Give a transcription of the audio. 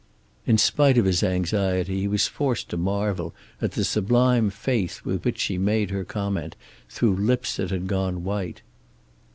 In spite of his anxiety he was forced to marvel at the sublime faith with which she made her comment, through lips that had gone white.